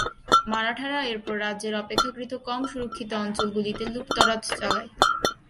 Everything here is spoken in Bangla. মারাঠারা এরপর রাজ্যের অপেক্ষাকৃত কম সুরক্ষিত অঞ্চলগুলিতে লুটতরাজ চালায়।